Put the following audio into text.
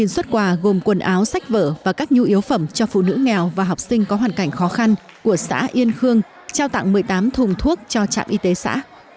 một mươi xuất quà gồm quần áo sách vở và các nhu yếu phẩm cho phụ nữ nghèo và học sinh có hoàn cảnh khó khăn của xã yên khương trao tặng một mươi tám thùng thuốc cho trạm y tế xã